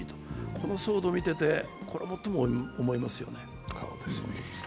この騒動を見ていて、これ最も思いますね。